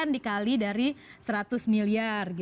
dikali dari seratus miliar